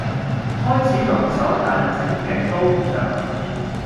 開始動手但整極都唔着